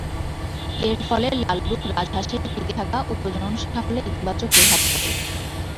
এর ফলে লালবুক রাজহাঁসের টিকে থাকা ও প্রজনন সাফল্যে ইতিবাচক প্রভাব পড়ে।